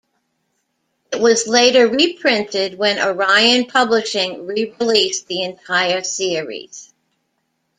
It was later re-printed when Orion Publishing re-released the entire series.